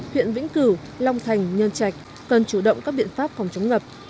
huyện vĩnh cửu long thành nhân trạch cần chủ động các biện pháp phòng chống ngập